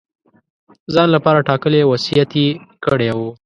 ځان لپاره ټاکلی او وصیت یې کړی وو.